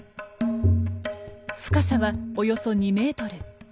深さはおよそ２メートル。